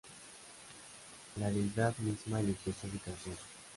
La deidad misma eligió su ubicación.